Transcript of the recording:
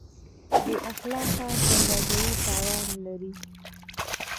بېاخلاقه سوداګري تاوان لري.